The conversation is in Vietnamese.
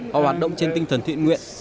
họ hoạt động trên tinh thần thiện nguyện